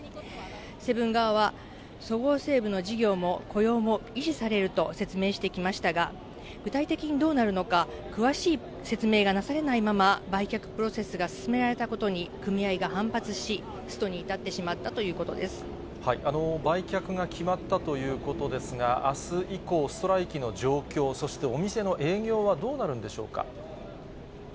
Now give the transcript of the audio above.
セブン側は、そごう・西武の事業も雇用も維持されると説明してきましたが、具体的にどうなるのか、詳しい説明がなされないまま、売却プロセスが進められたことに、組合が反発し、ストに至ってしま売却が決まったということですが、あす以降、ストライキの状況、そしてお店の営業はどうなるんでしょうか？